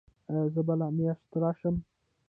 ایا زه بله میاشت راشم؟